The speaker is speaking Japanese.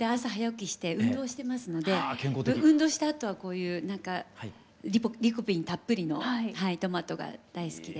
運動したあとはこういう何かリコピンたっぷりのトマトが大好きで。